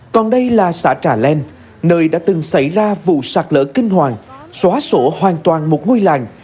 còn đây là xã trà len nơi đã từng xảy ra vụ sạt lỡ kinh hoàng xóa sổ hoàn toàn một ngôi làng